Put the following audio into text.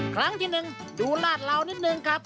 ครั้งที่หนึ่งดูลาดลาวนิดหนึ่งครับ